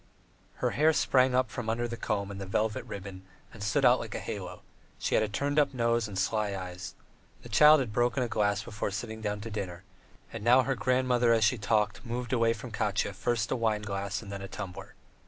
Her hair sprang up from under the comb and the velvet ribbon and stood out like a halo; she had a turned up nose and sly eyes. The child had broken a glass before sitting down to dinner, and now her grandmother, as she talked, moved away from Katya first a wineglass and then a tumbler.